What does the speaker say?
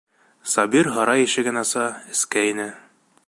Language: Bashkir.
Сабир һарай ишеген аса, эскә инә.